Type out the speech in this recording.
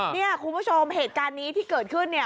เนี่ยคุณผู้ชมเหตุการณ์นี้ที่เกิดขึ้นเนี่ย